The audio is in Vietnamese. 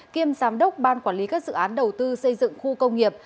kiêm giám đốc ban quản lý các dự án đầu tư xây dựng khu công nghiệp